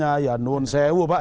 ya nol sewa pak